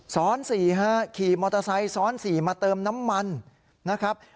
๔ฮะขี่มอเตอร์ไซค์ซ้อน๔มาเติมน้ำมันนะครับ